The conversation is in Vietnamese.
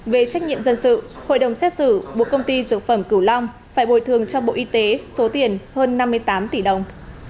về trách nhiệm dân sự hội đồng xét xử buộc công ty dược phẩm cửu long phải bồi thường cho bộ y tế số tiền hơn năm mươi tám tỷ đồng